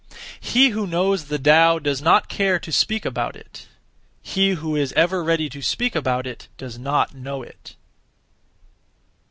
He who knows (the Tao) does not (care to) speak (about it); he who is (ever ready to) speak about it does not know it.